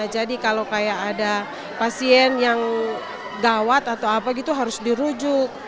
jadi kalau ada pasien yang gawat atau apa gitu harus dirujuk